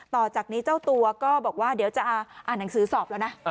ต่อจากนี้เจ้าตัวก็บอกว่าเดี๋ยวจะอ่านหนังสือสอบแล้วนะ